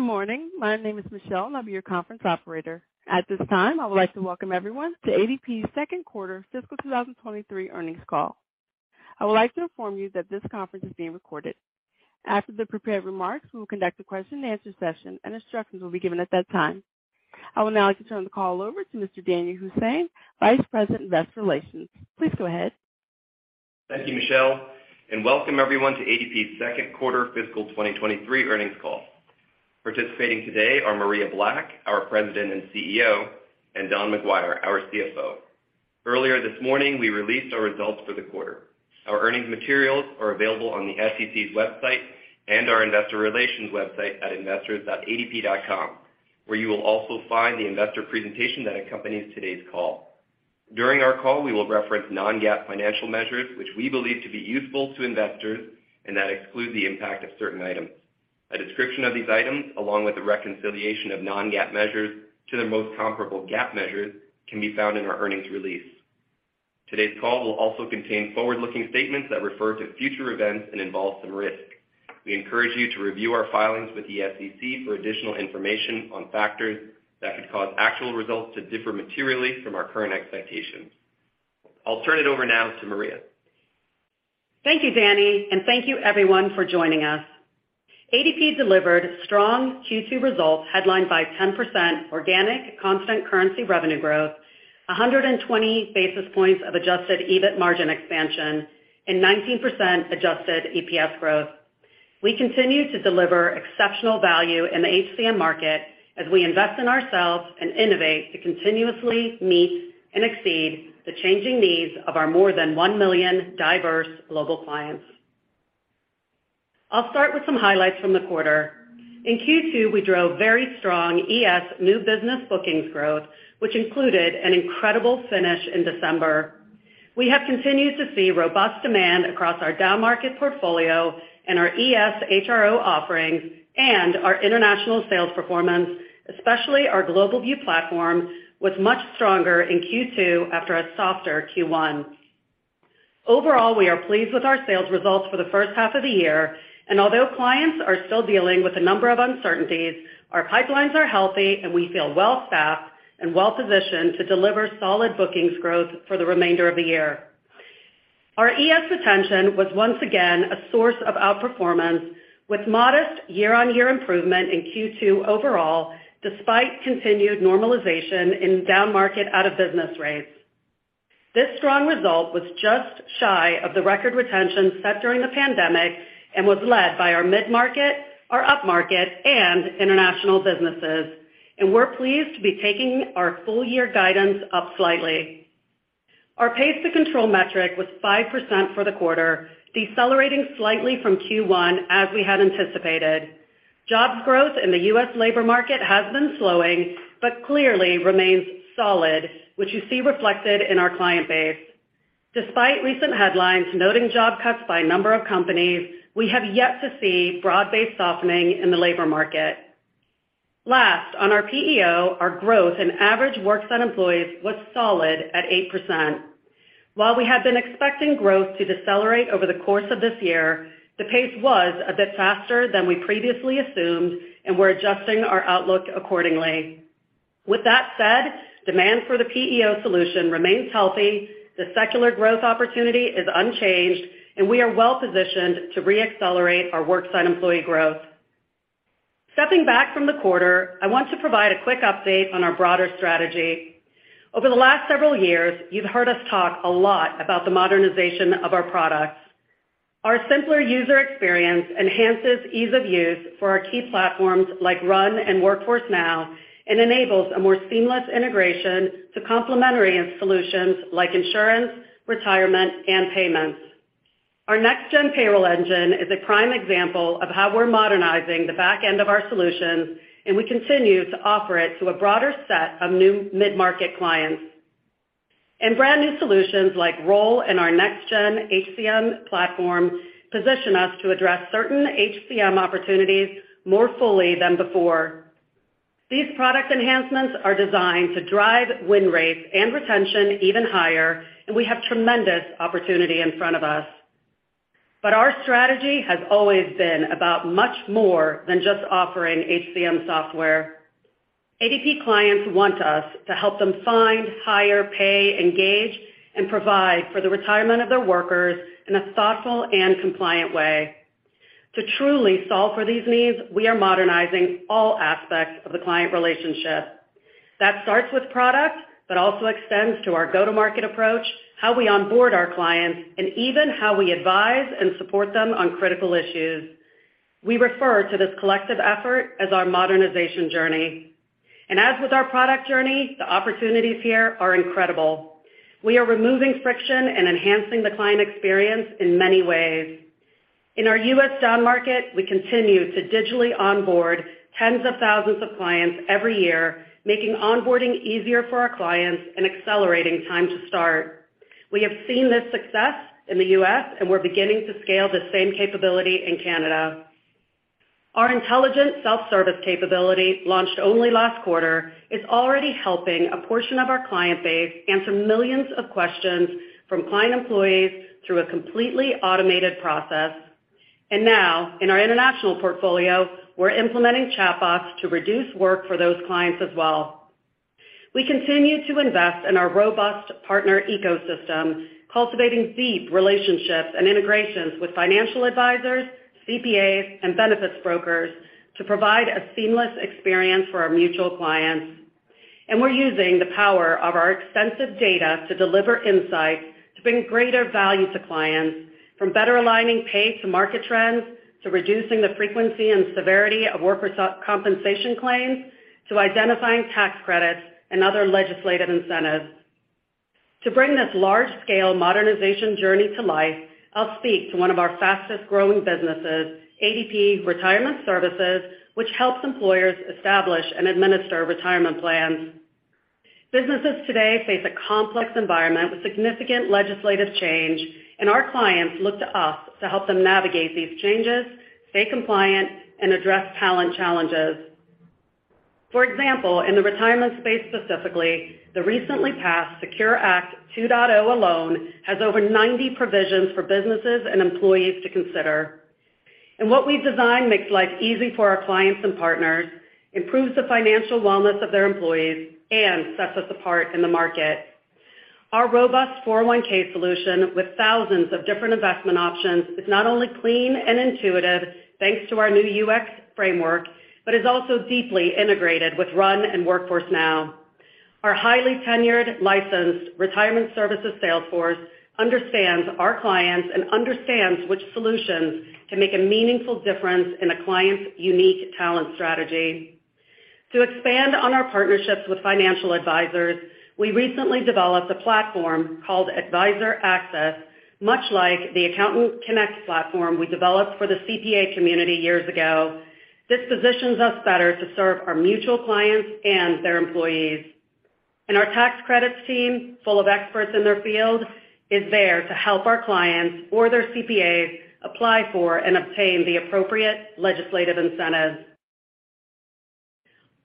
Good morning. My name is Michelle. I'll be your conference operator. At this time, I would like to welcome everyone to ADP's second quarter fiscal 2023 earnings call. I would like to inform you that this conference is being recorded. After the prepared remarks, we will conduct a question-and-answer session. Instructions will be given at that time. I will now turn the call over to Mr. Danyal Hussain, Vice President, Investor Relations. Please go ahead. Thank you, Michelle, welcome everyone to ADP's second quarter fiscal 2023 earnings call. Participating today are Maria Black, our President and CEO, and Don McGuire, our CFO. Earlier this morning, we released our results for the quarter. Our earnings materials are available on the SEC's website and our investor relations website at investors.adp.com, where you will also find the investor presentation that accompanies today's call. During our call, we will reference non-GAAP financial measures, which we believe to be useful to investors and that exclude the impact of certain items. A description of these items, along with a reconciliation of non-GAAP measures to the most comparable GAAP measures can be found in our earnings release. Today's call will also contain forward-looking statements that refer to future events and involve some risks. We encourage you to review our filings with the SEC for additional information on factors that could cause actual results to differ materially from our current expectations. I'll turn it over now to Maria. Thank you, Danny. Thank you everyone for joining us. ADP delivered strong Q2 results headlined by 10% organic constant currency revenue growth, 120 basis points of adjusted EBIT margin expansion, and 19% adjusted EPS growth. We continue to deliver exceptional value in the HCM market as we invest in ourselves and innovate to continuously meet and exceed the changing needs of our more than 1 million diverse global clients. I'll start with some highlights from the quarter. In Q2, we drove very strong ES new business bookings growth, which included an incredible finish in December. We have continued to see robust demand across our downmarket portfolio and our ES HRO offerings and our international sales performance, especially our GlobalView platform, was much stronger in Q2 after a softer Q1. Overall, we are pleased with our sales results for the first half of the year. Although clients are still dealing with a number of uncertainties, our pipelines are healthy. We feel well-staffed and well-positioned to deliver solid bookings growth for the remainder of the year. Our ES retention was once again a source of outperformance, with modest year-on-year improvement in Q2 overall, despite continued normalization in downmarket out-of-business rates. This strong result was just shy of the record retention set during the pandemic and was led by our mid-market, our upmarket, and international businesses. We're pleased to be taking our full-year guidance up slightly. Our Pays per control metric was 5% for the quarter, decelerating slightly from Q1, as we had anticipated. Jobs growth in the U.S. labor market has been slowing. Clearly remains solid, which you see reflected in our client base. Despite recent headlines noting job cuts by a number of companies, we have yet to see broad-based softening in the labor market. On our PEO, our growth in average worksite employees was solid at 8%. While we had been expecting growth to decelerate over the course of this year, the pace was a bit faster than we previously assumed. We're adjusting our outlook accordingly. With that said, demand for the PEO solution remains healthy, the secular growth opportunity is unchanged. We are well-positioned to re-accelerate our worksite employee growth. Stepping back from the quarter, I want to provide a quick update on our broader strategy. Over the last several years, you've heard us talk a lot about the modernization of our products. Our simpler user experience enhances ease of use for our key platforms like RUN and Workforce Now and enables a more seamless integration to complementary solutions like insurance, retirement, and payments. Our next-gen payroll engine is a prime example of how we're modernizing the back end of our solutions, and we continue to offer it to a broader set of new mid-market clients. Brand-new solutions like Roll and our next gen HCM platform position us to address certain HCM opportunities more fully than before. These product enhancements are designed to drive win rates and retention even higher, and we have tremendous opportunity in front of us. Our strategy has always been about much more than just offering HCM software. ADP clients want us to help them find, hire, pay, engage, and provide for the retirement of their workers in a thoughtful and compliant way. To truly solve for these needs, we are modernizing all aspects of the client relationship. That starts with product, also extends to our go-to-market approach, how we onboard our clients, and even how we advise and support them on critical issues. We refer to this collective effort as our modernization journey. As with our product journey, the opportunities here are incredible. We are removing friction and enhancing the client experience in many ways. In our U.S. downmarket, we continue to digitally onboard tens of thousands of clients every year, making onboarding easier for our clients and accelerating time to start. We have seen this success in the U.S., and we're beginning to scale the same capability in Canada. Our Intelligent Self-Service capability, launched only last quarter, is already helping a portion of our client base answer millions of questions from client employees through a completely automated process. Now, in our international portfolio, we're implementing chatbots to reduce work for those clients as well. We continue to invest in our robust partner ecosystem, cultivating deep relationships and integrations with financial advisors, CPAs, and benefits brokers to provide a seamless experience for our mutual clients. We're using the power of our extensive data to deliver insights to bring greater value to clients from better aligning pay to market trends, to reducing the frequency and severity of workers compensation claims, to identifying tax credits and other legislative incentives. To bring this large-scale modernization journey to life, I'll speak to one of our fastest-growing businesses, ADP Retirement Services, which helps employers establish and administer retirement plans. Businesses today face a complex environment with significant legislative change. Our clients look to us to help them navigate these changes, stay compliant, and address talent challenges. For example, in the retirement space specifically, the recently passed SECURE 2.0 Act alone has over 90 provisions for businesses and employees to consider. What we've designed makes life easy for our clients and partners, improves the financial wellness of their employees, and sets us apart in the market. Our robust 401(k) solution with thousands of different investment options is not only clean and intuitive, thanks to our new UX framework, but is also deeply integrated with RUN and Workforce Now. Our highly tenured, licensed retirement services sales force understands our clients and understands which solutions can make a meaningful difference in a client's unique talent strategy. To expand on our partnerships with financial advisors, we recently developed a platform called Advisor Access, much like the Accountant Connect platform we developed for the CPA community years ago. This positions us better to serve our mutual clients and their employees. Our tax credits team, full of experts in their field, is there to help our clients or their CPAs apply for and obtain the appropriate legislative incentives.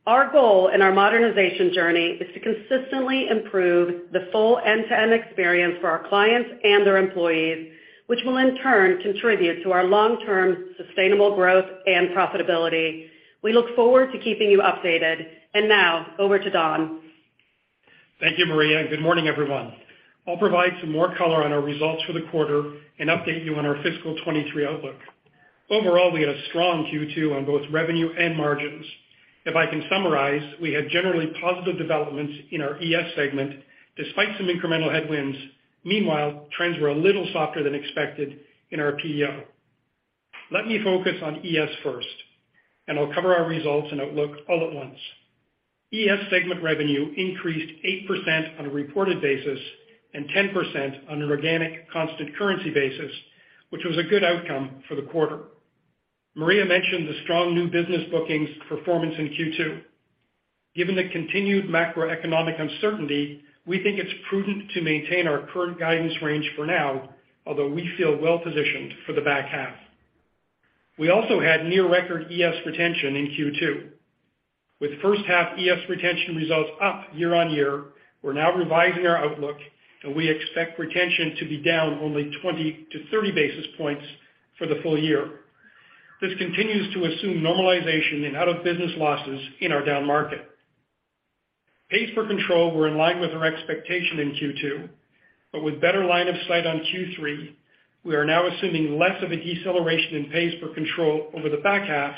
Our goal in our modernization journey is to consistently improve the full end-to-end experience for our clients and their employees, which will in turn contribute to our long-term sustainable growth and profitability. We look forward to keeping you updated. Now over to Don. Thank you, Maria. Good morning, everyone. I'll provide some more color on our results for the quarter and update you on our fiscal 2023 outlook. Overall, we had a strong Q2 on both revenue and margins. If I can summarize, we had generally positive developments in our ES segment, despite some incremental headwinds. Meanwhile, trends were a little softer than expected in our PEO. Let me focus on ES first, and I'll cover our results and outlook all at once. ES segment revenue increased 8% on a reported basis and 10% on an organic constant currency basis, which was a good outcome for the quarter. Maria mentioned the strong new business bookings performance in Q2. Given the continued macroeconomic uncertainty, we think it's prudent to maintain our current guidance range for now, although we feel well-positioned for the back half. We also had near record ES retention in Q2. With first half ES retention results up year-on-year, we're now revising our outlook, and we expect retention to be down only 20-30 basis points for the full-year. This continues to assume normalization in out-of-business losses in our down market. Pays per control were in line with our expectation in Q2, with better line of sight on Q3, we are now assuming less of a deceleration in Pays per control over the back half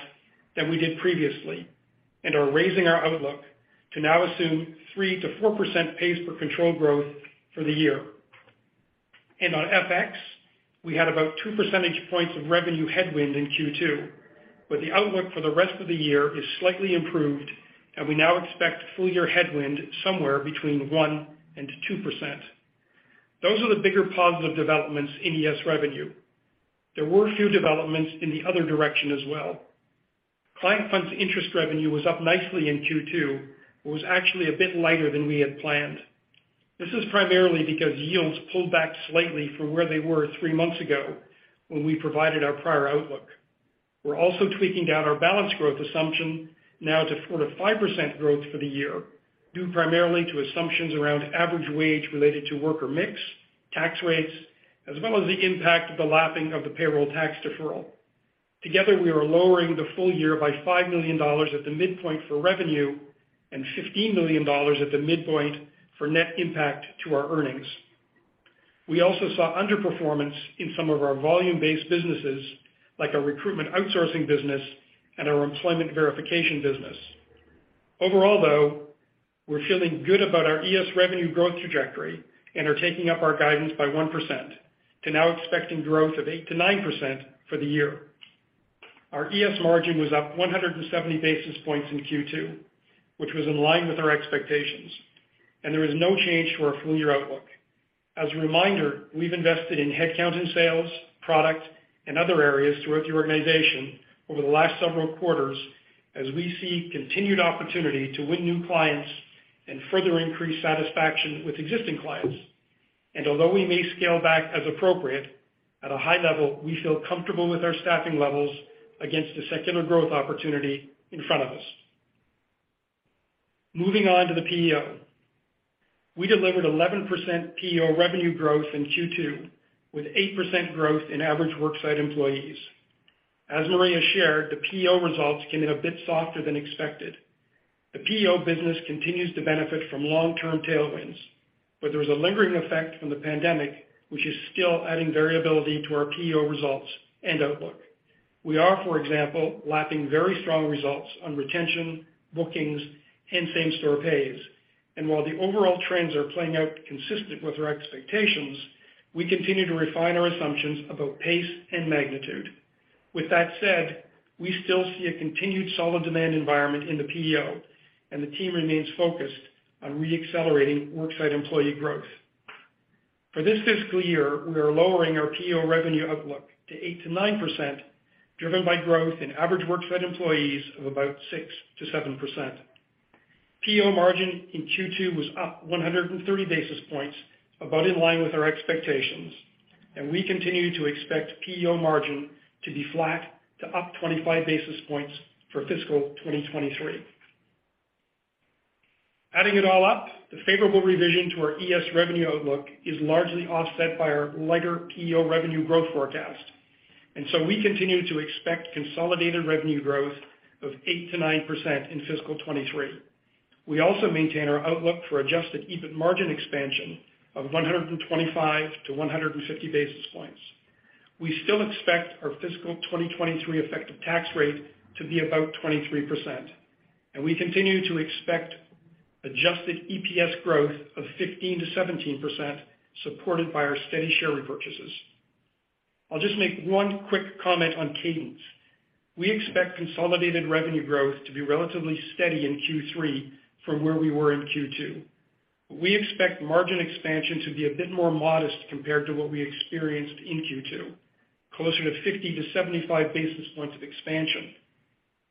than we did previously and are raising our outlook to now assume 3%-4% Pays per control growth for the year. On FX, we had about 2 percentage points of revenue headwind in Q2, the outlook for the rest of the year is slightly improved, and we now expect full year headwind somewhere between 1%-2%. Those are the bigger positive developments in ES revenue. There were a few developments in the other direction as well. Client funds interest revenue was up nicely in Q2, but was actually a bit lighter than we had planned. This is primarily because yields pulled back slightly from where they were three months ago when we provided our prior outlook. We're also tweaking down our balance growth assumption now to 4%-5% growth for the year, due primarily to assumptions around average wage related to worker mix, tax rates, as well as the impact of the lapping of the payroll tax deferral. Together, we are lowering the full-year by $5 million at the midpoint for revenue and $15 million at the midpoint for net impact to our earnings. We also saw underperformance in some of our volume-based businesses, like our recruitment outsourcing business and our employment verification business. Overall, though, we're feeling good about our ES revenue growth trajectory and are taking up our guidance by 1% to now expecting growth of 8%-9% for the year. Our ES margin was up 170 basis points in Q2, which was in line with our expectations. There is no change to our full-year outlook. As a reminder, we've invested in headcount and sales, product, and other areas throughout the organization over the last several quarters as we see continued opportunity to win new clients and further increase satisfaction with existing clients. Although we may scale back as appropriate, at a high level, we feel comfortable with our staffing levels against the secular growth opportunity in front of us. Moving on to the PEO. We delivered 11% PEO revenue growth in Q2, with 8% growth in average worksite employees. As Maria shared, the PEO results came in a bit softer than expected. The PEO business continues to benefit from long-term tailwinds, but there's a lingering effect from the pandemic, which is still adding variability to our PEO results and outlook. We are, for example, lapping very strong results on retention, bookings, and same-store pays. While the overall trends are playing out consistent with our expectations, we continue to refine our assumptions about pace and magnitude. That said, we still see a continued solid demand environment in the PEO, and the team remains focused on re-accelerating worksite employee growth. For this fiscal year, we are lowering our PEO revenue outlook to 8%-9%, driven by growth in average worksite employees of about 6%-7%. PEO margin in Q2 was up 130 basis points, about in line with our expectations, and we continue to expect PEO margin to be flat to up 25 basis points for fiscal 2023. Adding it all up, the favorable revision to our ES revenue outlook is largely offset by our lighter PEO revenue growth forecast. We continue to expect consolidated revenue growth of 8%-9% in fiscal 2023. We also maintain our outlook for adjusted EBIT margin expansion of 125-150 basis points. We still expect our fiscal 2023 effective tax rate to be about 23%. We continue to expect adjusted EPS growth of 15%-17%, supported by our steady share repurchases. I'll just make one quick comment on cadence. We expect consolidated revenue growth to be relatively steady in Q3 from where we were in Q2. We expect margin expansion to be a bit more modest compared to what we experienced in Q2, closer to 50-75 basis points of expansion.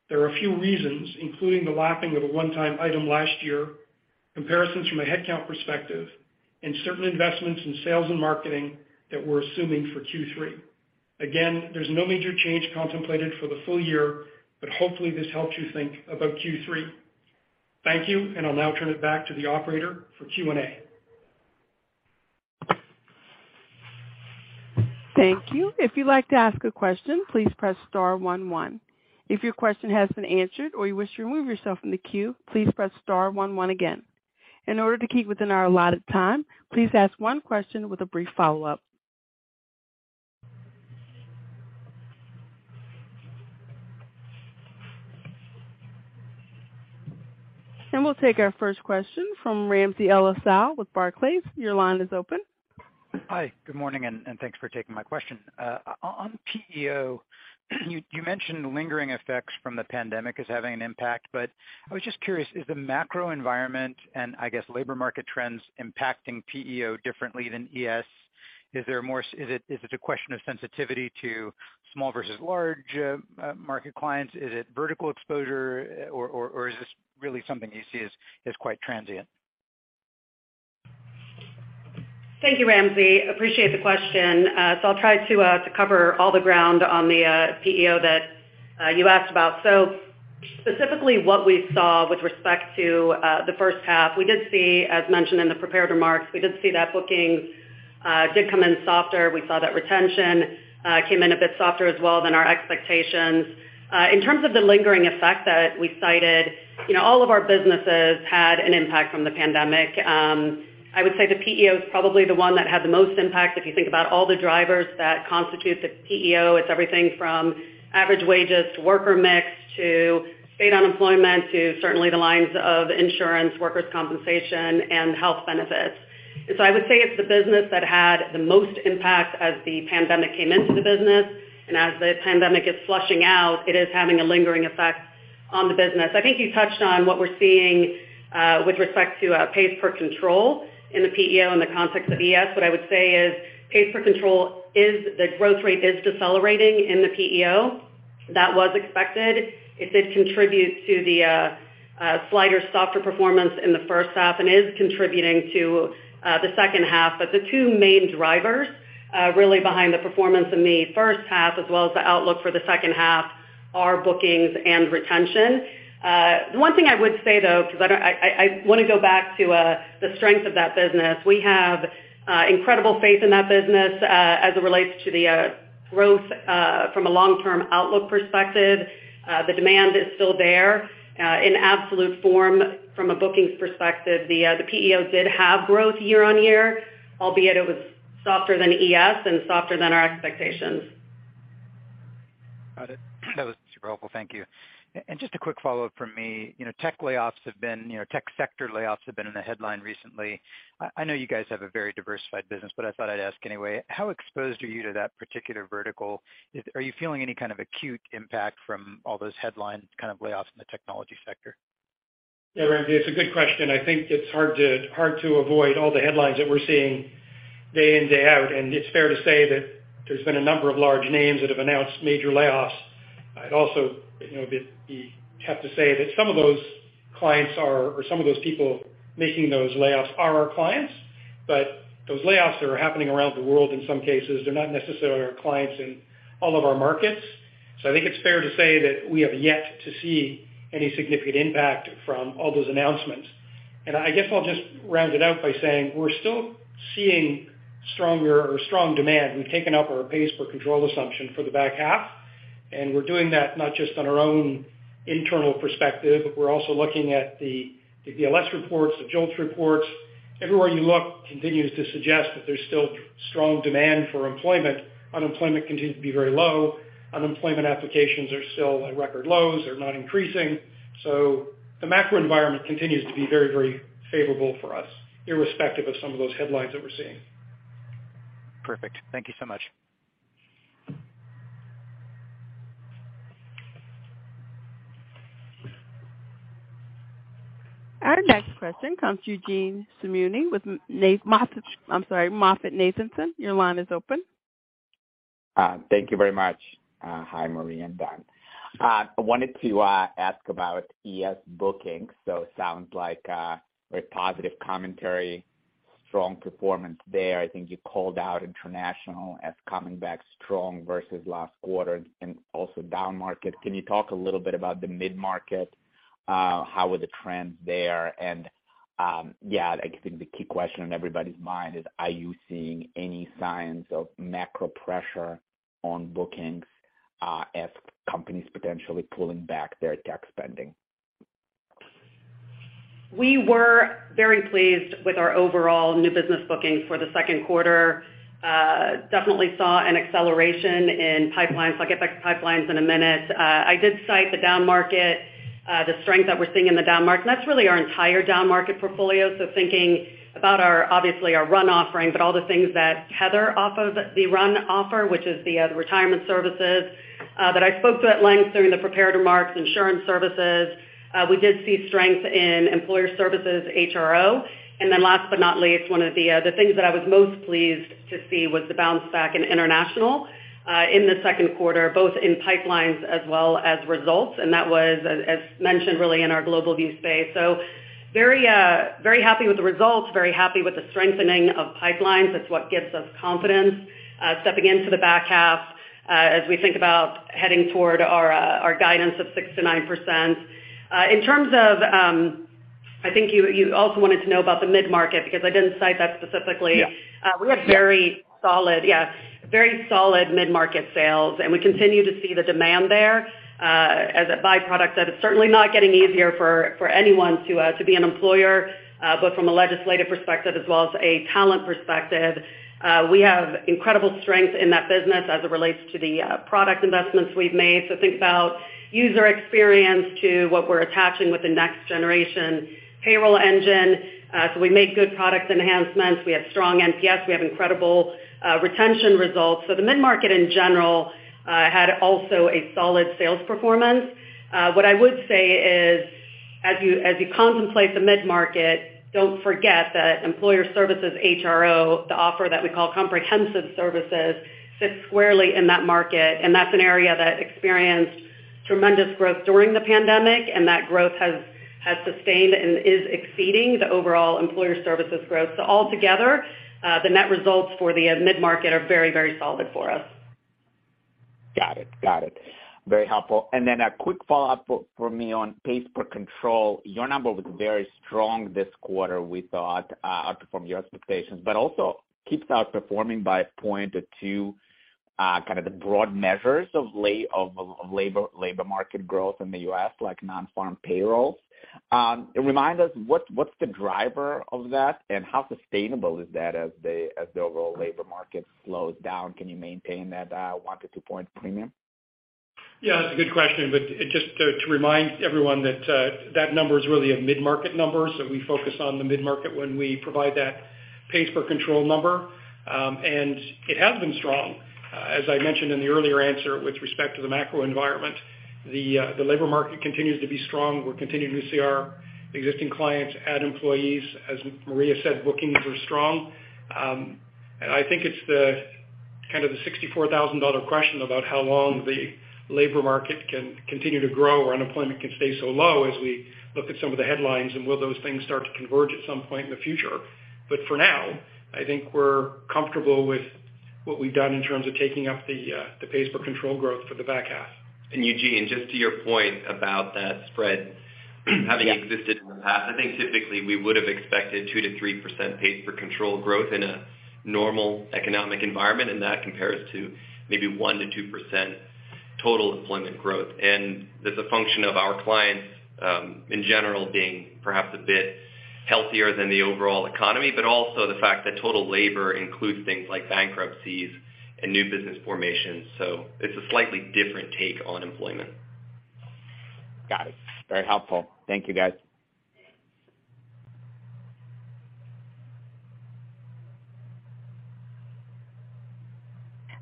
There are a few reasons, including the lapping of a one-time item last year, comparisons from a headcount perspective, and certain investments in sales and marketing that we're assuming for Q3. Again, there's no major change contemplated for the full year. Hopefully this helps you think about Q3. Thank you. I'll now turn it back to the operator for Q&A. Thank you. If you'd like to ask a question, please press star one one. If your question has been answered or you wish to remove yourself from the queue, please press star one one again. In order to keep within our allotted time, please ask one question with a brief follow-up. We'll take our first question from Ramsey El-Assal with Barclays. Your line is open. Hi, good morning. Thanks for taking my question. On PEO, you mentioned lingering effects from the pandemic as having an impact, I was just curious, is the macro environment and I guess labor market trends impacting PEO differently than ES? Is there more, is it a question of sensitivity to small versus large market clients? Is it vertical exposure or is this really something you see as quite transient? Thank you, Ramsey. Appreciate the question. I'll try to cover all the ground on the PEO that you asked about. Specifically what we saw with respect to the first half, we did see, as mentioned in the prepared remarks, we did see that booking did come in softer. We saw that retention came in a bit softer as well than our expectations. In terms of the lingering effect that we cited, you know, all of our businesses had an impact from the pandemic. I would say the PEO is probably the one that had the most impact. If you think about all the drivers that constitute the PEO, it's everything from average wages to worker mix to state unemployment to certainly the lines of insurance, workers' compensation, and health benefits. I would say it's the business that had the most impact as the pandemic came into the business. The pandemic is flushing out, it is having a lingering effect on the business. I think you touched on what we're seeing with respect to Pays per control in the PEO in the context of ES. What I would say is Pays per control is the growth rate is decelerating in the PEO. That was expected. It did contribute to the slighter softer performance in the first half and is contributing to the second half, but the two main drivers really behind the performance in the first half, as well as the outlook for the second half are bookings and retention. One thing I would say, though, 'cause I don't wanna go back to the strength of that business. We have incredible faith in that business as it relates to the growth from a long-term outlook perspective. The demand is still there in absolute form from a bookings perspective. The PEO did have growth year-over-year, albeit it was softer than ES and softer than our expectations. Got it. That was super helpful. Thank you. Just a quick follow-up from me. You know, tech sector layoffs have been in the headline recently. I know you guys have a very diversified business, but I thought I'd ask anyway. How exposed are you to that particular vertical? Are you feeling any kind of acute impact from all those headline kind of layoffs in the technology sector? Yeah, Ramsey, it's a good question. I think it's hard to avoid all the headlines that we're seeing day in, day out. It's fair to say that there's been a number of large names that have announced major layoffs. I'd also, you know, be tough to say that some of those clients or some of those people making those layoffs are our clients. Those layoffs that are happening around the world, in some cases, they're not necessarily our clients in all of our markets. I think it's fair to say that we have yet to see any significant impact from all those announcements. I guess I'll just round it out by saying we're still seeing stronger or strong demand. We've taken up our Pays per control assumption for the back half. We're doing that not just on our own internal perspective. We're also looking at the JOLTS reports. Everywhere you look continues to suggest that there's still strong demand for employment. Unemployment continues to be very low. Unemployment applications are still at record lows. They're not increasing. The macro environment continues to be very favorable for us, irrespective of some of those headlines that we're seeing. Perfect. Thank you so much. Our next question comes from Eugene Simuni with I'm sorry, MoffettNathanson. Your line is open. Thank you very much. Hi, Maria and Don. I wanted to ask about ES bookings. It sounds like very positive commentary, strong performance there. I think you called out international as coming back strong versus last quarter and also downmarket. Can you talk a little bit about the mid-market? How are the trends there? Yeah, I think the key question on everybody's mind is, are you seeing any signs of macro pressure on bookings, as companies potentially pulling back their tech spending? We were very pleased with our overall new business bookings for the second quarter. Definitely saw an acceleration in pipelines. I'll get back to pipelines in a minute. I did cite the downmarket, the strength that we're seeing in the downmarket, and that's really our entire downmarket portfolio. Thinking about our, obviously our RUN offering, but all the things that tether off of the RUN offer, which is the retirement services that I spoke to at length during the prepared remarks, insurance services. We did see strength in employer services HRO. Last but not least, one of the things that I was most pleased to see was the bounce back in international in the second quarter, both in pipelines as well as results. That was, as mentioned, really in our GlobalView space. Very happy with the results, very happy with the strengthening of pipelines. That's what gives us confidence, stepping into the back half, as we think about heading toward our guidance of 6%-9%. In terms of, I think you also wanted to know about the mid-market because I didn't cite that specifically. Yeah. We have very solid, yeah, very solid mid-market sales, and we continue to see the demand there as a byproduct that it's certainly not getting easier for anyone to be an employer both from a legislative perspective as well as a talent perspective. We have incredible strength in that business as it relates to the product investments we've made. Think about user experience to what we're attaching with the next-gen payroll engine. We made good product enhancements. We have strong NPS. We have incredible retention results. The mid-market in general had also a solid sales performance. What I would say is, as you contemplate the mid-market, don't forget that employer services HRO, the offer that we call comprehensive services, sits squarely in that market, and that's an area that experienced tremendous growth during the pandemic, and that growth has sustained and is exceeding the overall employer services growth. Altogether, the net results for the mid-market are very, very solid for us. Got it. Got it. Very helpful. A quick follow-up for me on Pays per control. Your number was very strong this quarter, we thought, outperformed your expectations, but also keeps outperforming by a point or two, kind of the broad measures of labor market growth in the U.S., like non-farm payrolls. Remind us what's the driver of that and how sustainable is that as the overall labor market slows down? Can you maintain that one to two-point premium? Yeah, that's a good question. Just to remind everyone that number is really a mid-market number. We focus on the mid-market when we provide that Pays per control number. It has been strong. As I mentioned in the earlier answer with respect to the macro environment, the labor market continues to be strong. We're continuing to see our existing clients add employees. As Maria said, bookings are strong. I think it's the kind of the $64,000 question about how long the labor market can continue to grow or unemployment can stay so low as we look at some of the headlines and will those things start to converge at some point in the future. For now, I think we're comfortable with what we've done in terms of taking up the Pays per control growth for the back half. Eugene, just to your point about that spread having existed in the past, I think typically we would have expected 2%-3% Pays per control growth in a normal economic environment. That compares to maybe 1%-2% total employment growth. That's a function of our clients, in general being perhaps a bit healthier than the overall economy, but also the fact that total labor includes things like bankruptcies and new business formations. It's a slightly different take on employment. Got it. Very helpful. Thank you, guys.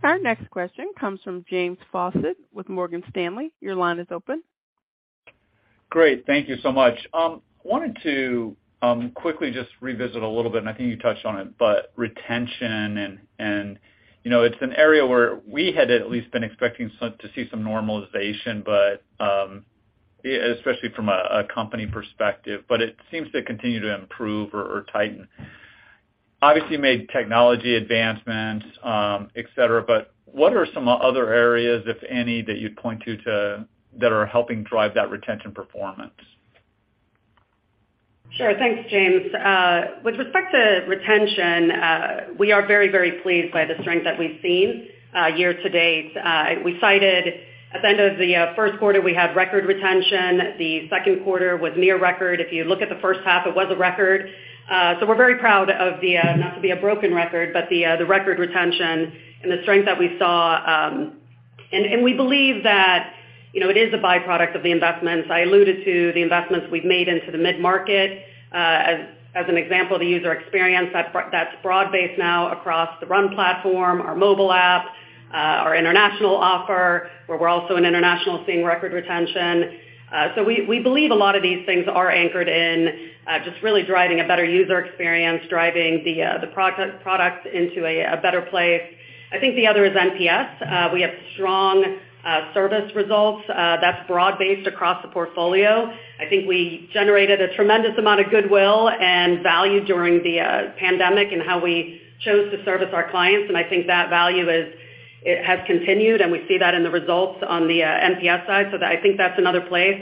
Our next question comes from James Faucette with Morgan Stanley. Your line is open. Great. Thank you so much. wanted to quickly just revisit a little bit, and I think you touched on it, but retention and, you know, it's an area where we had at least been expecting to see some normalization. Especially from a company perspective, but it seems to continue to improve or tighten. Obviously, you made technology advancements, et cetera, but what are some other areas, if any, that you'd point to... that are helping drive that retention performance? Sure. Thanks, James. With respect to retention, we are very, very pleased by the strength that we've seen year to date. We cited at the end of the first quarter, we had record retention. The second quarter was near record. If you look at the first half, it was a record. We're very proud of the not to be a broken record, but the record retention and the strength that we saw. We believe that, you know, it is a by-product of the investments. I alluded to the investments we've made into the mid-market, as an example, the user experience that's broad-based now across the RUN platform, our mobile app, our international offer, where we're also in international seeing record retention. We, we believe a lot of these things are anchored in just really driving a better user experience, driving the product into a better place. I think the other is NPS. We have strong service results, that's broad-based across the portfolio. I think we generated a tremendous amount of goodwill and value during the pandemic and how we chose to service our clients, and I think that value is, it has continued, and we see that in the results on the NPS side. That, I think that's another place.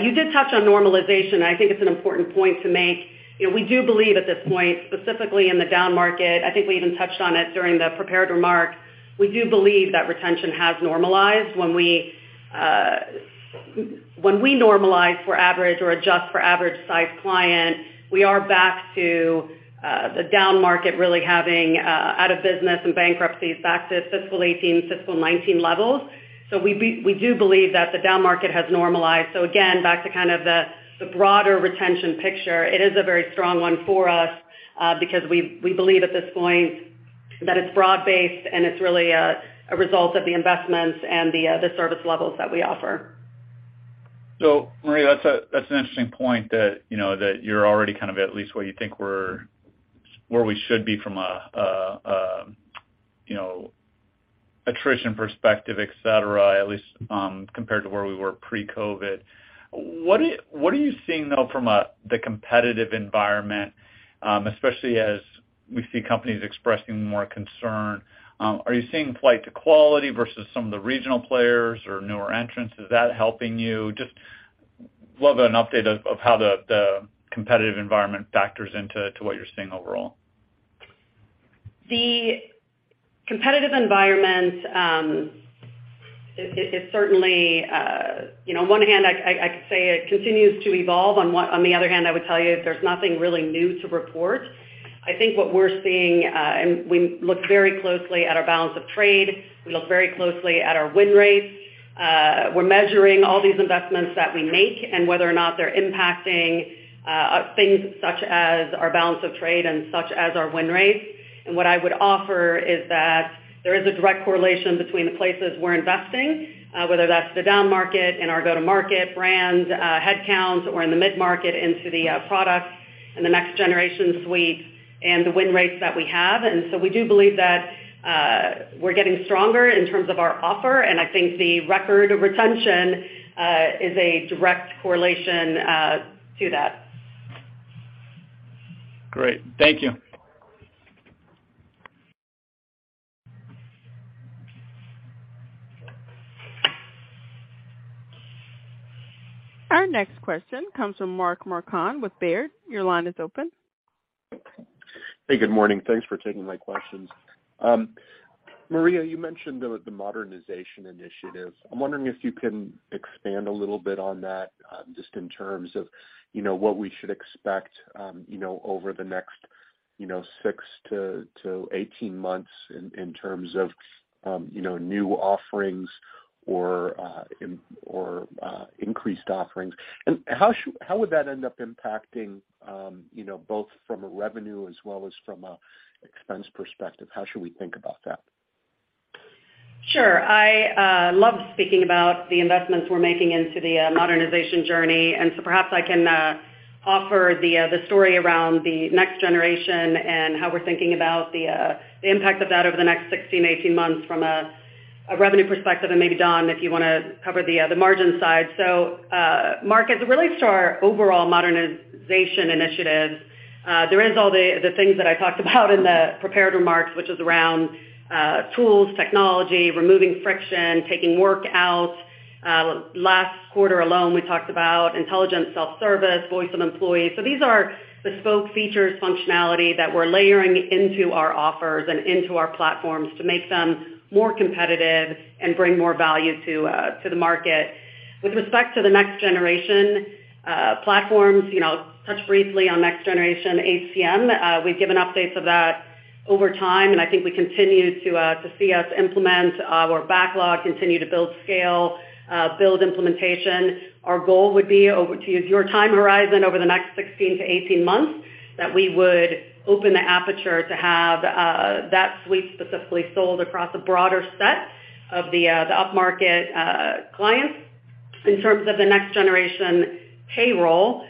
You did touch on normalization, and I think it's an important point to make. You know, we do believe at this point, specifically in the down market, I think we even touched on it during the prepared remarks, we do believe that retention has normalized. When we normalize for average or adjust for average size client, we are back to the down market really having out of business and bankruptcies back to fiscal 2018, fiscal 2019 levels. We do believe that the down market has normalized. Again, back to kind of the broader retention picture, it is a very strong one for us, because we believe at this point that it's broad based and it's really a result of the investments and the service levels that we offer. Maria, that's an interesting point that, you know, that you're already kind of at least where you think we're, where we should be from a, you know, attrition perspective, et cetera, at least, compared to where we were pre-COVID. What are you seeing though from the competitive environment, especially as we see companies expressing more concern? Are you seeing flight to quality versus some of the regional players or newer entrants? Is that helping you? Just love an update of how the competitive environment factors into what you're seeing overall. The competitive environment, it certainly, you know, on one hand, I could say it continues to evolve. On the other hand, I would tell you there's nothing really new to report. I think what we're seeing, and we look very closely at our balance of trade. We look very closely at our win rates. We're measuring all these investments that we make and whether or not they're impacting, things such as our balance of trade and such as our win rates. What I would offer is that there is a direct correlation between the places we're investing, whether that's the down market, in our go-to-market brands, headcounts or in the mid-market into the products and the next generation suite and the win rates that we have. We do believe that, we're getting stronger in terms of our offer, and I think the record retention, is a direct correlation, to that. Great. Thank you. Our next question comes from Mark Marcon with Baird. Your line is open. Hey, good morning. Thanks for taking my questions. Maria, you mentioned the modernization initiative. I'm wondering if you can expand a little bit on that, just in terms of, you know, what we should expect, you know, over the next, you know, six to 18 months in terms of new offerings or increased offerings. How would that end up impacting, you know, both from a revenue as well as from an expense perspective? How should we think about that? Sure. I love speaking about the investments we're making into the modernization journey. Perhaps I can offer the story around the next generation and how we're thinking about the impact of that over the next 16, 18 months from a revenue perspective, and maybe Don, if you wanna cover the margin side. Mark, as it relates to our overall modernization initiative, there is all the things that I talked about in the prepared remarks, which is around tools, technology, removing friction, taking work out. Last quarter alone, we talked about Intelligent Self-Service, Voice of the Employee. These are bespoke features, functionality that we're layering into our offers and into our platforms to make them more competitive and bring more value to the market. With respect to the next generation platforms, you know, I'll touch briefly on next-generation HCM. We've given updates of that over time. I think we continue to see us implement our backlog, continue to build scale, build implementation. Our goal would be over to your time horizon over the next 16 to 18 months, that we would open the aperture to have that suite specifically sold across a broader set of the upmarket clients. In terms of the next-generation payroll,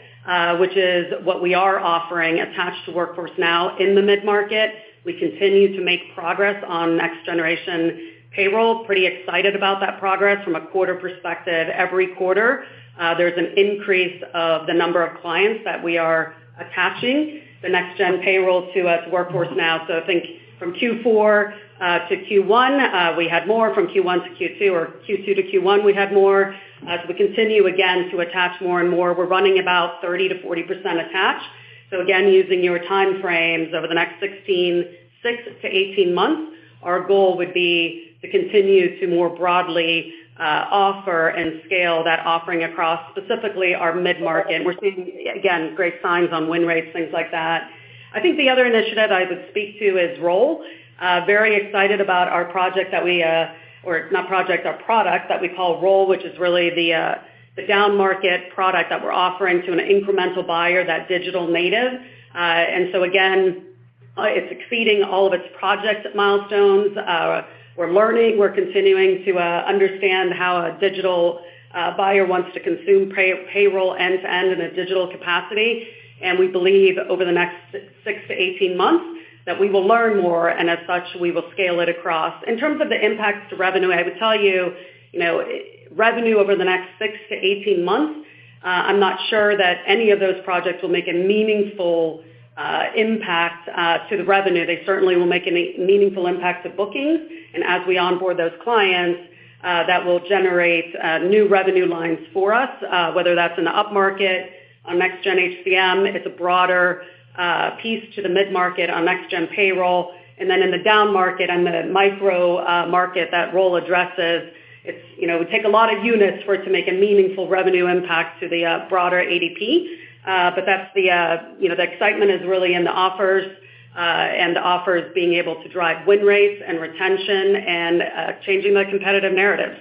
which is what we are offering attached to Workforce Now in the mid-market. We continue to make progress on next-generation payroll. Pretty excited about that progress from a quarter perspective. Every quarter, there's an increase of the number of clients that we are attaching the next-gen payroll to as Workforce Now. I think from Q4 to Q1, we had more. From Q1 to Q2 or Q2 to Q1, we had more. We continue again to attach more and more. We're running about 30%-40% attached. Again, using your time frames over the next six to 18 months, our goal would be to continue to more broadly offer and scale that offering across specifically our mid-market. We're seeing, again, great signs on win rates, things like that. I think the other initiative I would speak to is Roll. Very excited about our product that we call Roll, which is really the downmarket product that we're offering to an incremental buyer, that digital native. Again, it's exceeding all of its project milestones. We're learning, we're continuing to understand how a digital buyer wants to consume pay-payroll end-to-end in a digital capacity. We believe over the next six to 18 months that we will learn more, and as such, we will scale it across. In terms of the impact to revenue, I would tell you know, revenue over the next six to 18 months, I'm not sure that any of those projects will make a meaningful impact to the revenue. They certainly will make a meaningful impact to bookings. As we onboard those clients, that will generate new revenue lines for us, whether that's in the upmarket, our Next Gen HCM, it's a broader piece to the mid-market on next-gen payroll. In the downmarket, on the micro market that Roll addresses, it's, you know, it would take a lot of units for it to make a meaningful revenue impact to the broader ADP. That's the, you know, the excitement is really in the offers, and the offers being able to drive win rates and retention and changing the competitive narrative.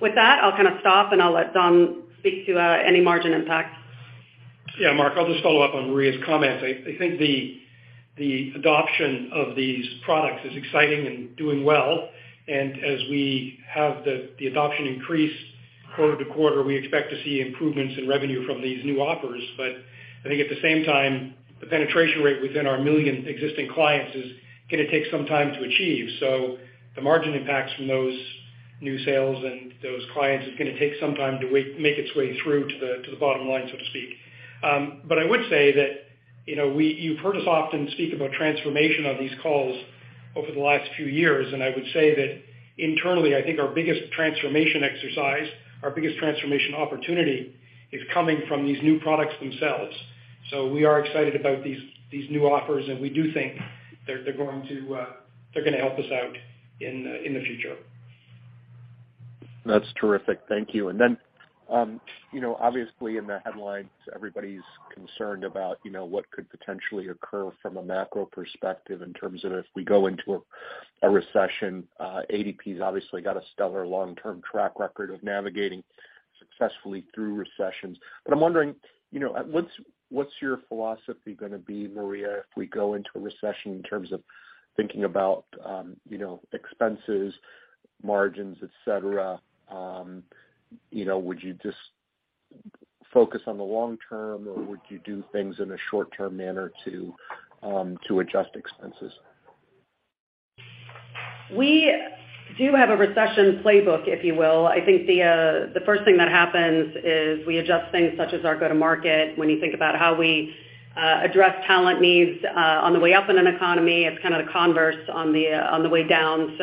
With that, I'll kind of stop, and I'll let Don speak to any margin impact. Yeah, Mark, I'll just follow up on Maria's comments. I think the adoption of these products is exciting and doing well. As we have the adoption increase quarter-to-quarter, we expect to see improvements in revenue from these new offers. I think at the same time, the penetration rate within our 1 million existing clients is going to take some time to make its way through to the bottom line, so to speak. I would say that, you know, you've heard us often speak about transformation on these calls over the last few years, and I would say that internally, I think our biggest transformation exercise, our biggest transformation opportunity is coming from these new products themselves. We are excited about these new offers, and we do think they're going to help us out in the future. That's terrific. Thank you. Then, you know, obviously in the headlines, everybody's concerned about, you know, what could potentially occur from a macro perspective in terms of if we go into a recession. ADP's obviously got a stellar long-term track record of navigating successfully through recessions. I'm wondering, you know, what's your philosophy going to be, Maria, if we go into a recession in terms of thinking about, you know, expenses, margins, et cetera? You know, would you just focus on the long term, or would you do things in a short-term manner to adjust expenses? We do have a recession playbook, if you will. I think the first thing that happens is we adjust things such as our go-to-market. When you think about how we address talent needs on the way up in an economy, it's kind of the converse on the way down.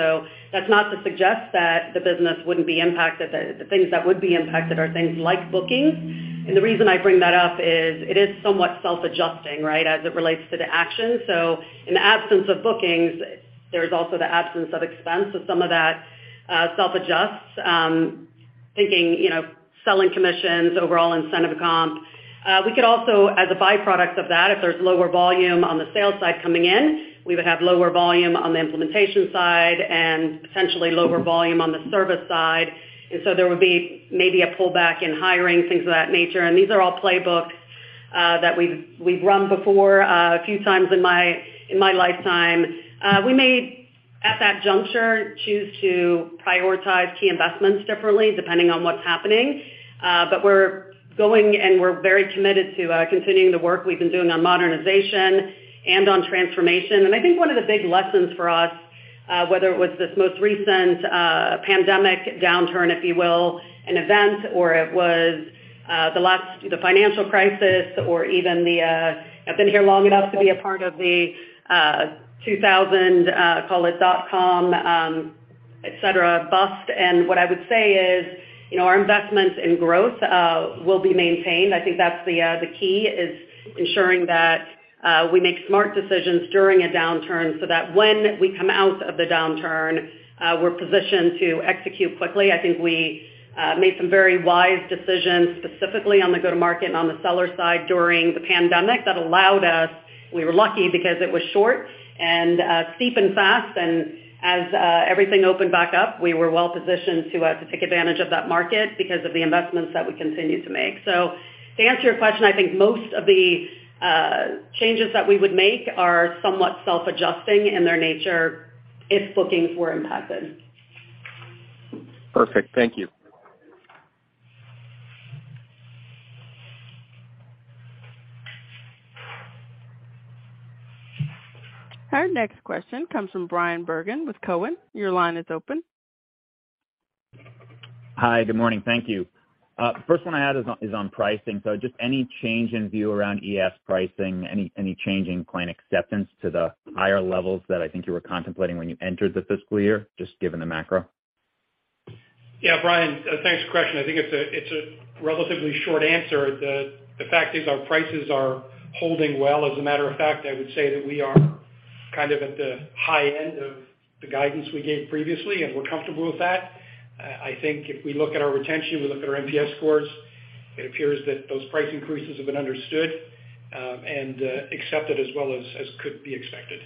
That's not to suggest that the business wouldn't be impacted. The things that would be impacted are things like bookings. The reason I bring that up is it is somewhat self-adjusting, right, as it relates to the action. In the absence of bookings, there's also the absence of expense. Some of that self-adjusts, thinking, you know, selling commissions, overall incentive comp. We could also, as a byproduct of that, if there's lower volume on the sales side coming in, we would have lower volume on the implementation side and potentially lower volume on the service side. There would be maybe a pullback in hiring, things of that nature. These are all playbooks that we've run before, a few times in my lifetime. We may, at that juncture, choose to prioritize key investments differently depending on what's happening. We're going, and we're very committed to continuing the work we've been doing on modernization and on transformation. I think one of the big lessons for us, whether it was this most recent pandemic downturn, if you will, an event, or it was the financial crisis or even the, I've been here long enough to be a part of the 2000, call it dot-com, et cetera, bust. What I would say is, you know, our investments in growth will be maintained. I think that's the key is ensuring that we make smart decisions during a downturn so that when we come out of the downturn, we're positioned to execute quickly. I think we made some very wise decisions, specifically on the go-to-market and on the seller side during the pandemic that allowed us. We were lucky because it was short and steep and fast. As everything opened back up, we were well positioned to take advantage of that market because of the investments that we continued to make. To answer your question, I think most of the changes that we would make are somewhat self-adjusting in their nature if bookings were impacted. Perfect. Thank you. Our next question comes from Bryan Bergin with Cowen. Your line is open. Hi, good morning. Thank you. First one I had is on pricing. Just any change in view around ES pricing? Any change in client acceptance to the higher levels that I think you were contemplating when you entered the fiscal year, just given the macro? Yeah, Bryan, thanks for the question. I think it's a relatively short answer. The fact is our prices are holding well. As a matter of fact, I would say that we are kind of at the high end of the guidance we gave previously, and we're comfortable with that. I think if we look at our retention, we look at our NPS scores, it appears that those price increases have been understood, and accepted as well as could be expected.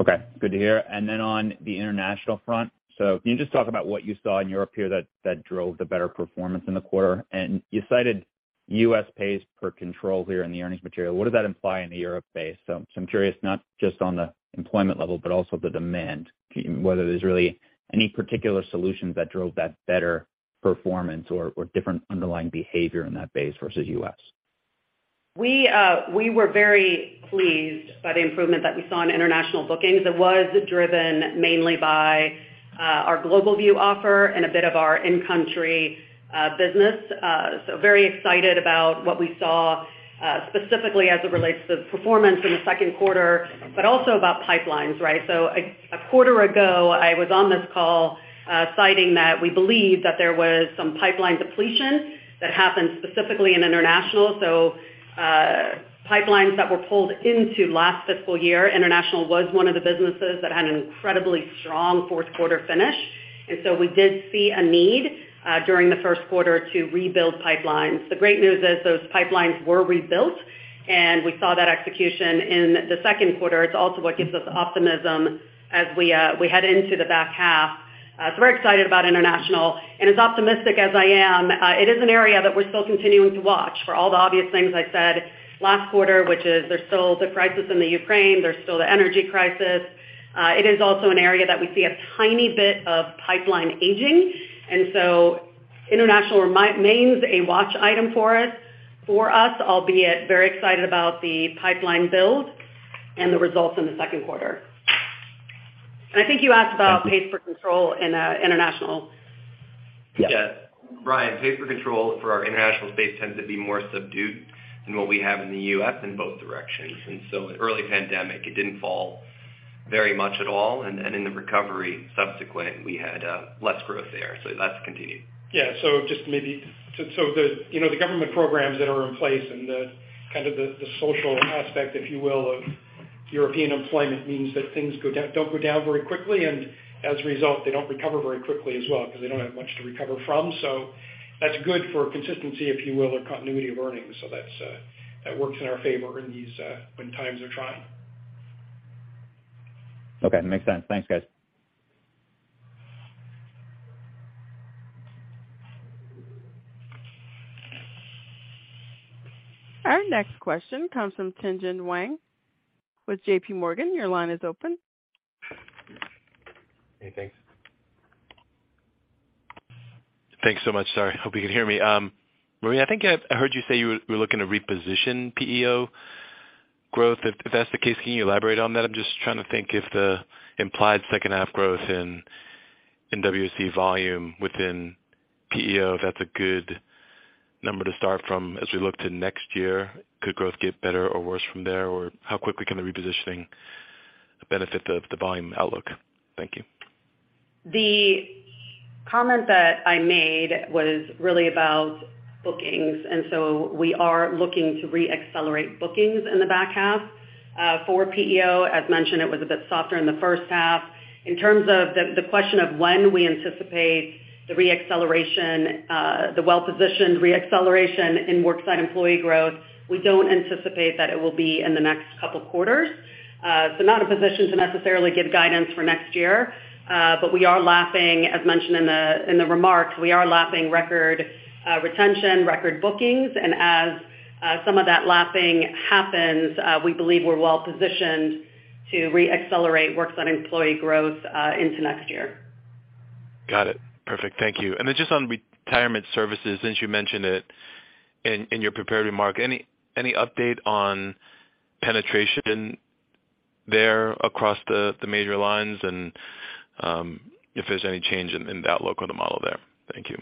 Okay, good to hear. On the international front. Can you just talk about what you saw in Europe here that drove the better performance in the quarter? You cited US Pays per control here in the earnings material. What did that imply in the Europe base? I'm curious, not just on the employment level, but also the demand, whether there's really any particular solutions that drove that better performance or different underlying behavior in that base versus US. We were very pleased by the improvement that we saw in international bookings. It was driven mainly by our GlobalView offer and a bit of our in-country business. Very excited about what we saw specifically as it relates to the performance in the second quarter, but also about pipelines, right? A quarter ago, I was on this call, citing that we believe that there was some pipeline depletion that happened specifically in international. Pipelines that were pulled into last fiscal year, international was one of the businesses that had an incredibly strong fourth quarter finish. We did see a need during the first quarter to rebuild pipelines. The great news is those pipelines were rebuilt, and we saw that execution in the second quarter. It's also what gives us optimism as we head into the back half. We're excited about international. As optimistic as I am, it is an area that we're still continuing to watch for all the obvious things I said last quarter, which is there's still the crisis in the Ukraine, there's still the energy crisis. It is also an area that we see a tiny bit of pipeline aging. International remains a watch item for us, albeit very excited about the pipeline build and the results in the second quarter. I think you asked about pays per control in international. Yes. Bryan, Pays per control for our international space tends to be more subdued than what we have in the U.S. in both directions. Early pandemic, it didn't fall very much at all. In the recovery subsequent, we had less growth there. That's continued. Yeah. Just maybe... The, you know, the government programs that are in place and the, kind of the social aspect, if you will, of European employment means that things don't go down very quickly, and as a result, they don't recover very quickly as well because they don't have much to recover from. That's good for consistency, if you will, or continuity of earnings. That's that works in our favor in these when times are trying. Okay, makes sense. Thanks, guys. Our next question comes from Tien-Tsin Huang with J.P. Morgan. Your line is open. Hey, thanks. Thanks so much. Sorry, hope you can hear me. Maria, I think I heard you say you were looking to reposition PEO growth. If that's the case, can you elaborate on that? I'm just trying to think if the implied second half growth in WSE volume within PEO, that's a good number to start from as we look to next year. Could growth get better or worse from there? How quickly can the repositioning benefit the volume outlook? Thank you. The comment that I made was really about bookings. We are looking to reaccelerate bookings in the back half for PEO. As mentioned, it was a bit softer in the first half. In terms of the question of when we anticipate the reacceleration, the well-positioned reacceleration in worksite employee growth, we don't anticipate that it will be in the next couple quarters. Not in a position to necessarily give guidance for next year, but we are lapping, as mentioned in the remarks, we are lapping record retention, record bookings. As some of that lapping happens, we believe we're well positioned to reaccelerate worksite employee growth into next year. Got it. Perfect. Thank you. Then just on retirement services, since you mentioned it in your prepared remark, any update on penetration there across the major lines and if there's any change in that local model there? Thank you.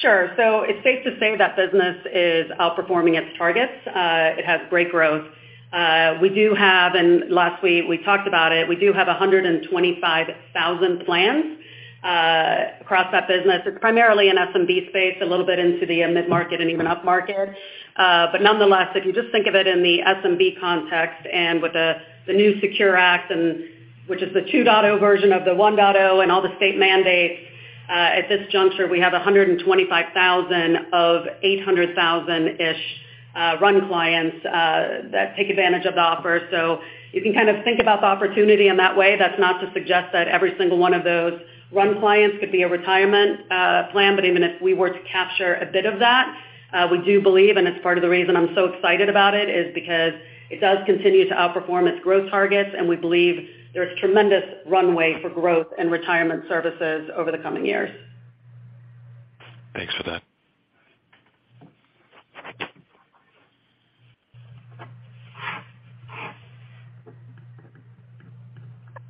Sure. It's safe to say that business is outperforming its targets. It has great growth. We do have, and last week we talked about it, we do have 125,000 plans across that business. It's primarily in SMB space, a little bit into the mid-market and even upmarket. But nonetheless, if you just think of it in the SMB context and with the new SECURE Act and which is the 2.0 version of the 1.0 and all the state mandates, at this juncture, we have 125,000 of 800,000-ish run clients that take advantage of the offer. You can kind of think about the opportunity in that way. That's not to suggest that every single one of those RUN clients could be a retirement plan, but even if we were to capture a bit of that We do believe, and it's part of the reason I'm so excited about it, is because it does continue to outperform its growth targets, and we believe there's tremendous runway for growth and Retirement Services over the coming years. Thanks for that.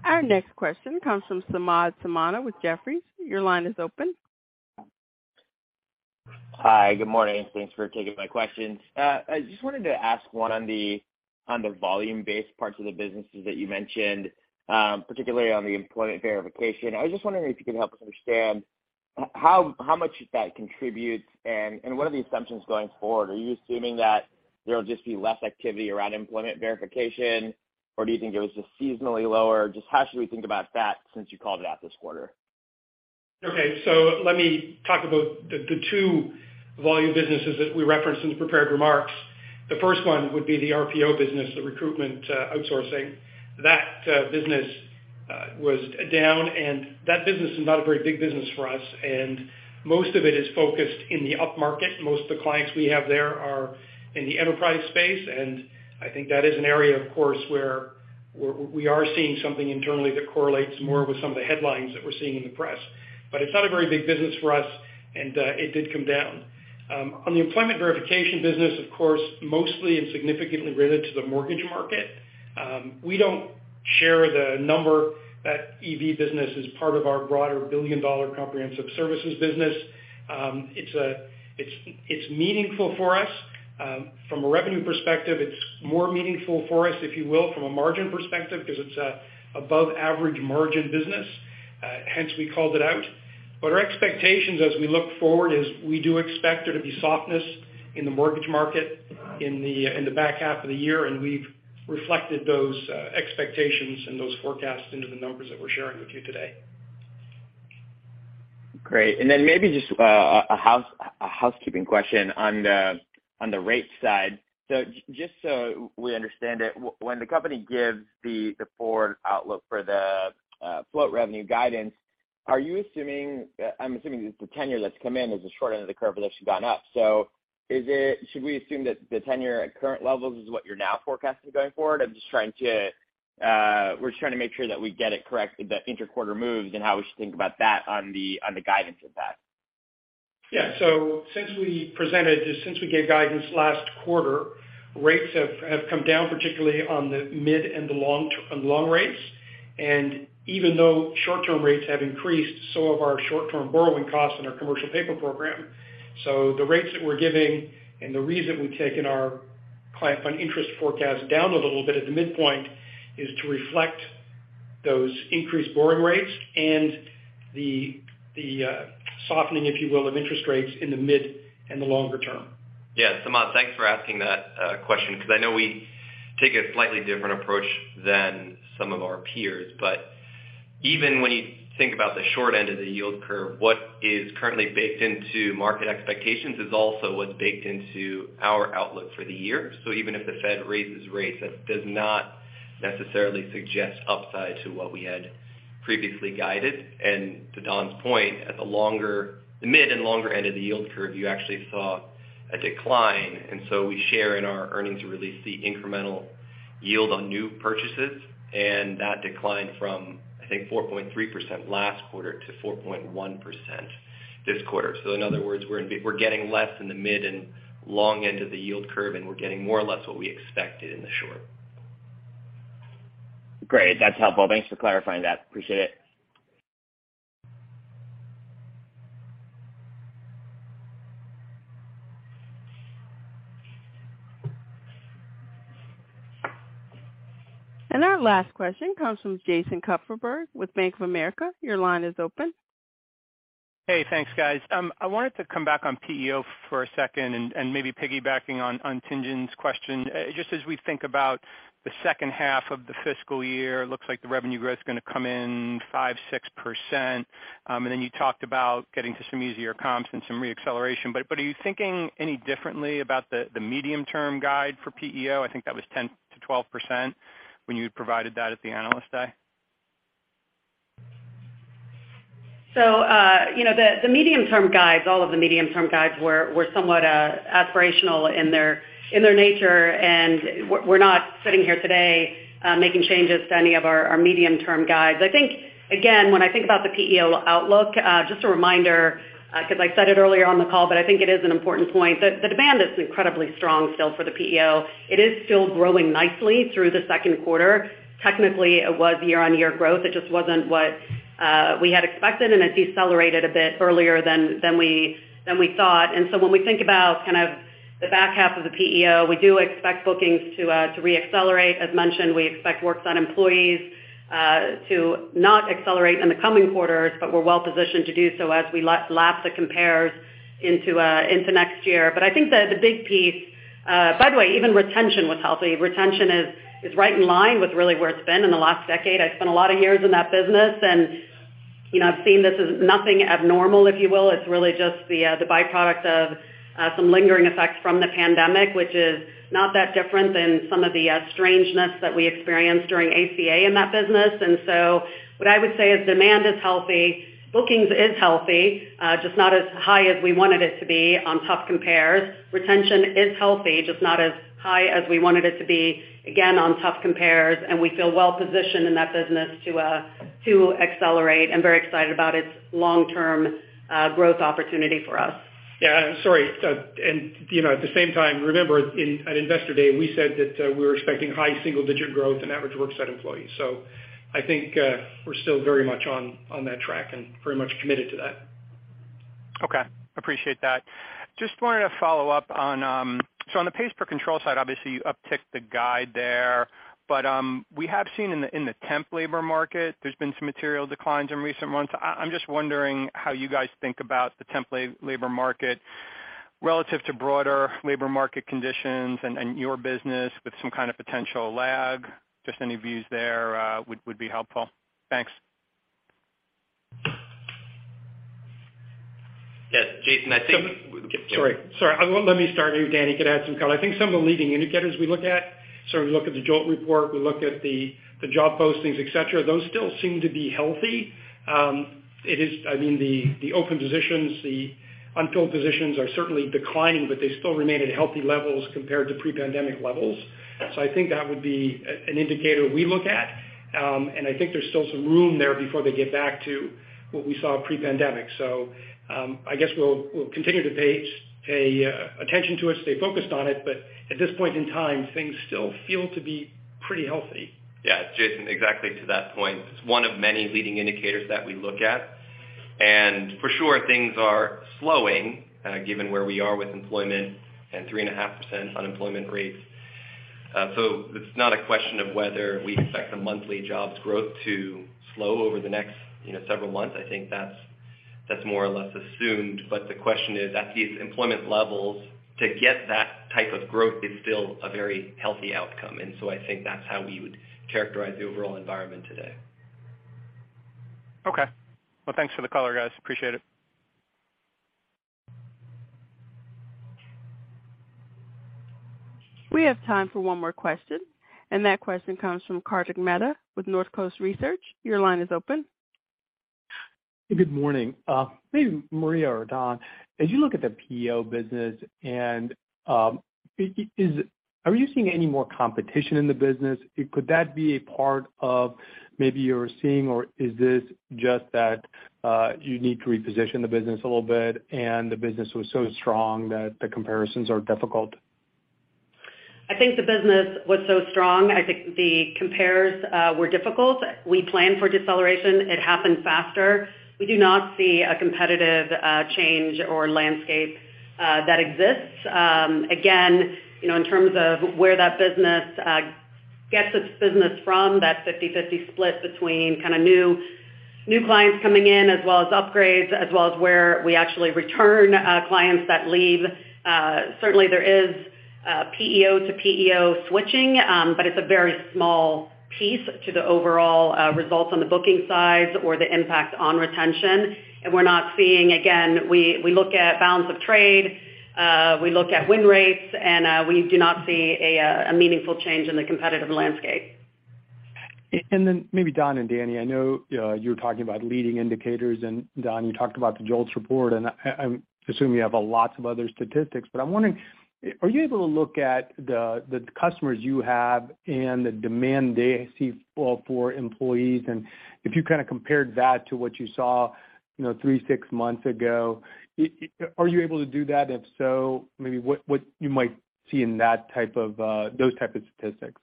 Our next question comes from Samad Samana with Jefferies. Your line is open. Hi, good morning. Thanks for taking my questions. I just wanted to ask one on the volume-based parts of the businesses that you mentioned, particularly on the employment verification. I was just wondering if you could help us understand how much that contributes, and what are the assumptions going forward? Are you assuming that there will just be less activity around employment verification, or do you think it was just seasonally lower? Just how should we think about that since you called it out this quarter? Let me talk about the two volume businesses that we referenced in the prepared remarks. The first one would be the RPO business, the recruitment outsourcing. That business was down, that business is not a very big business for us, most of it is focused in the upmarket. Most of the clients we have there are in the enterprise space, I think that is an area, of course, where we are seeing something internally that correlates more with some of the headlines that we're seeing in the press. It's not a very big business for us, it did come down. On the employment verification business, of course, mostly and significantly related to the mortgage market, we don't share the number. That EV business is part of our broader $1 billion Comprehensive Services business. It's meaningful for us. From a revenue perspective, it's more meaningful for us, if you will, from a margin perspective because it's above average margin business, hence we called it out. Our expectations as we look forward is we do expect there to be softness in the mortgage market in the, in the back half of the year, and we've reflected those expectations and those forecasts into the numbers that we're sharing with you today. Great. Then maybe just a housekeeping question on the rate side? Just so we understand it, when the company gives the forward outlook for the float revenue guidance, are you assuming? I'm assuming the tenure that's come in is the short end of the curve that's actually gone up. Is it should we assume that the tenure at current levels is what you're now forecasting going forward? I'm just trying to. We're just trying to make sure that we get it correct, the inter-quarter moves and how we should think about that on the guidance of that. Yeah. Since we presented, since we gave guidance last quarter, rates have come down, particularly on the mid and the long on long rates. Even though short-term rates have increased, so have our short-term borrowing costs on our commercial paper program. The rates that we're giving and the reason we've taken our client fund interest forecast down a little bit at the midpoint is to reflect those increased borrowing rates and the softening, if you will, of interest rates in the mid and the longer term. Yeah. Samad, thanks for asking that question because I know we take a slightly different approach than some of our peers. Even when you think about the short end of the yield curve, what is currently baked into market expectations is also what's baked into our outlook for the year. Even if the Fed raises rates, that does not necessarily suggest upside to what we had previously guided. To Don's point, at the mid and longer end of the yield curve, you actually saw a decline. We share in our earnings release the incremental yield on new purchases, and that declined from, I think, 4.3% last quarter to 4.1% this quarter. In other words, we're getting less in the mid and long end of the yield curve, and we're getting more or less what we expected in the short. Great. That's helpful. Thanks for clarifying that. Appreciate it. Our last question comes from Jason Kupferberg with Bank of America. Your line is open. Hey, thanks, guys. I wanted to come back on PEO for a second and maybe piggybacking on Tien-Tsin's question. Just as we think about the second half of the fiscal year, it looks like the revenue growth is gonna come in 5%-6%. Then you talked about getting to some easier comps and some re-acceleration. Are you thinking any differently about the medium-term guide for PEO? I think that was 10%-12% when you provided that at the Analyst Day. um-term guides, all of the medium-term guides were somewhat aspirational in their nature, and we're not sitting here today making changes to any of our medium-term guides. I think, again, when I think about the PEO outlook, just a reminder, because I said it earlier on the call, but I think it is an important point. The demand is incredibly strong still for the PEO. It is still growing nicely through the second quarter. Technically, it was year-on-year growth. It just wasn't what we had expected, and it decelerated a bit earlier than we thought. When we think about kind of the back half of the PEO, we do expect bookings to re-accelerate As mentioned, we expect worksite employees to not accelerate in the coming quarters, but we're well positioned to do so as we lap the compares into next year. I think the big piece. By the way, even retention was healthy. Retention is right in line with really where it's been in the last decade. I spent a lot of years in that business. You know, I've seen this as nothing abnormal, if you will. It's really just the byproduct of some lingering effects from the pandemic, which is not that different than some of the strangeness that we experienced during ACA in that business. What I would say is demand is healthy, bookings is healthy, just not as high as we wanted it to be on tough compares. Retention is healthy, just not as high as we wanted it to be, again, on tough compares. We feel well positioned in that business to accelerate and very excited about its long-term growth opportunity for us. Yeah. Sorry. You know, at the same time, remember at Investor Day, we said that we were expecting high single-digit growth in average worksite employees. I think, we're still very much on that track and pretty much committed to that. Okay. Appreciate that. Just wanted to follow up on. On the Pays per control side, obviously, you uptick the guide there. We have seen in the temp labor market, there's been some material declines in recent months. I'm just wondering how you guys think about the temp labor market relative to broader labor market conditions and your business with some kind of potential lag. Just any views there would be helpful. Thanks. Yes, Jason. Well, let me start. Maybe Danny could add some color. I think some of the leading indicators we look at, we look at the JOLTS report, we look at the job postings, et cetera, those still seem to be healthy. I mean, the open positions, the unfilled positions are certainly declining, but they still remain at healthy levels compared to pre-pandemic levels. I think that would be an indicator we look at. And I think there's still some room there before they get back to what we saw pre-pandemic. I guess we'll continue to pay attention to it, stay focused on it, but at this point in time, things still feel to be pretty healthy. Yeah. Jason, exactly to that point. It's one of many leading indicators that we look at. For sure, things are slowing, given where we are with employment and 3.5% unemployment rates. It's not a question of whether we expect the monthly jobs growth to slow over the next, you know, several months. I think that's more or less assumed. The question is, at these employment levels, to get that type of growth is still a very healthy outcome. I think that's how we would characterize the overall environment today. Okay. Well, thanks for the color, guys. Appreciate it. We have time for one more question, and that question comes from Kartik Mehta with North Coast Research. Your line is open. Good morning. Maybe Maria or Don, as you look at the PEO business and, are you seeing any more competition in the business? Could that be a part of maybe you're seeing or is this just that, you need to reposition the business a little bit and the business was so strong that the comparisons are difficult? I think the business was so strong. I think the compares were difficult. We planned for deceleration, it happened faster. We do not see a competitive change or landscape that exists. Again, you know, in terms of where that business gets its business from, that 50/50 split between kinda new clients coming in as well as upgrades, as well as where we actually return clients that leave. Certainly, there is PEO to PEO switching, but it's a very small piece to the overall results on the booking side or the impact on retention. We're not seeing, again, we look at balance of trade, we look at win rates, and we do not see a meaningful change in the competitive landscape. Then maybe Don and Danny, I know, you're talking about leading indicators, and Don, you talked about the JOLTS report, and I'm assuming you have, lots of other statistics. I'm wondering, are you able to look at the customers you have and the demand they see for employees? If you kinda compared that to what you saw, you know, three, six months ago, are you able to do that? If so, maybe what you might see in that type of, those type of statistics?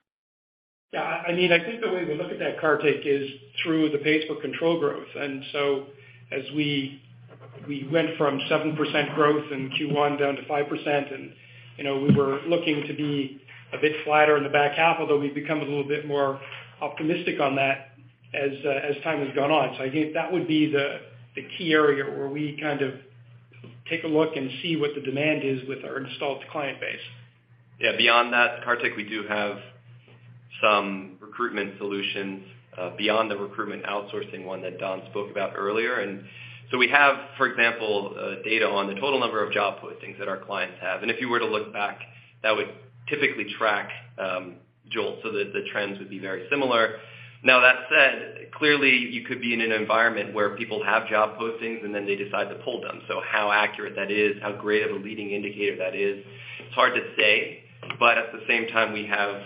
Yeah. I mean, I think the way we look at that, Kartik, is through the Pays per control growth. As we went from 7% growth in Q1 down to 5%, and, you know, we were looking to be a bit flatter in the back half, although we've become a little bit more optimistic on that as time has gone on. I think that would be the key area where we kind of take a look and see what the demand is with our installed client base. Yeah. Beyond that, Kartik, we do have some recruitment solutions, beyond the recruitment outsourcing one that Don spoke about earlier. We have, for example, data on the total number of job postings that our clients have. If you were to look back, that would typically track JOLTS so that the trends would be very similar. That said, clearly, you could be in an environment where people have job postings and then they decide to pull them. How accurate that is, how great of a leading indicator that is, it's hard to say. At the same time, we have,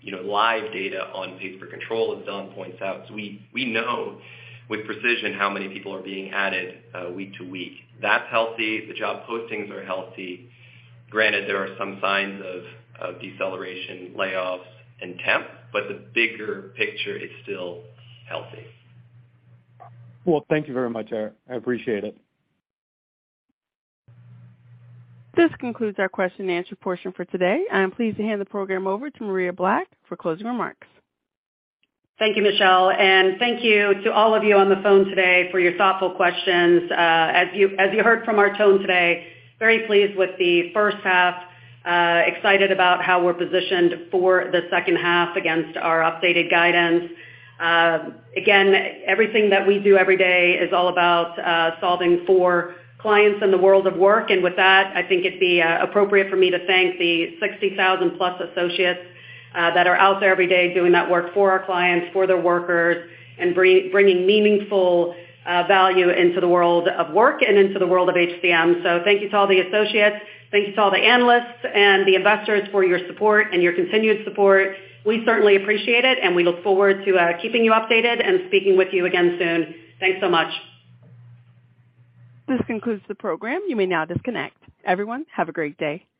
you know, live data on Pays per control, as Don points out. We know with precision how many people are being added week to week. That's healthy. The job postings are healthy. Granted, there are some signs of deceleration, layoffs and temp, the bigger picture is still healthy. Well, thank you very much. I appreciate it. This concludes our question-and-answer portion for today. I am pleased to hand the program over to Maria Black for closing remarks. Thank you, Michelle. Thank you to all of you on the phone today for your thoughtful questions. As you heard from our tone today, very pleased with the first half, excited about how we're positioned for the second half against our updated guidance. Again, everything that we do every day is all about solving for clients in the world of work. With that, I think it'd be appropriate for me to thank the 60,000 plus associates that are out there every day doing that work for our clients, for their workers, and bringing meaningful value into the world of work and into the world of HCM. Thank you to all the associates. Thank you to all the analysts and the investors for your support and your continued support. We certainly appreciate it, and we look forward to keeping you updated and speaking with you again soon. Thanks so much. This concludes the program. You may now disconnect. Everyone, have a great day.